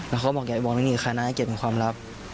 แล้วเขาก็บอกอยากบอกเรื่องนี้กับใครนะให้เก็บเป็นความลับ